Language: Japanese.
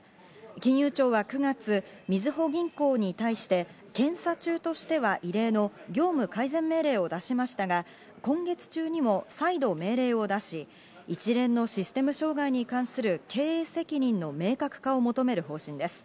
金融庁は９月みずほ銀行に対して検査中としては異例の業務改善命令を出しましたが、今月中にも再度命令を出し、一連のシステム障害に関する経営責任の明確化を求める方針です。